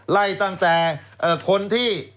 ไล่ตั้งแต่คนที่